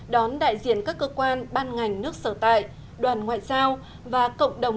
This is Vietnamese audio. đón đại diện các cơ quan ban ngành nước sở tại đoàn ngoại giao và cộng đồng